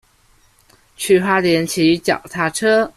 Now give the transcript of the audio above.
去花蓮騎腳踏車